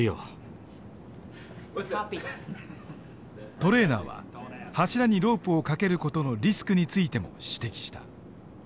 トレーナーは柱にロープを掛ける事のリスクについても指摘した。